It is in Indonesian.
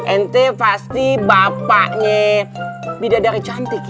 ente pasti bapaknya bidadari cantik ye